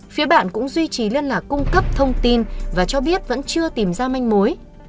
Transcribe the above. phía bạn cũng duy trì liên lạc cung cấp thông tin và cho biết vẫn chưa tìm ra manh mối